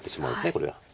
これは。